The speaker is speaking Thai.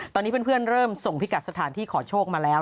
ตอนนี้เพื่อนเริ่มส่งพิกัดสถานที่ขอโชคมาแล้ว